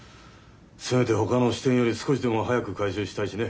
せめてほかの支店より少しでも早く回収したいしね。